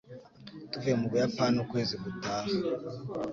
Tuvuye mu Buyapani ukwezi gutaha.